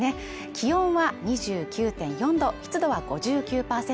気温は２９．４℃、湿度は５９％